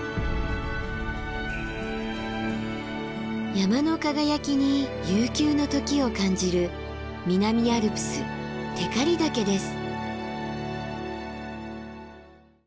山の輝きに悠久の時を感じる南アルプス光岳です。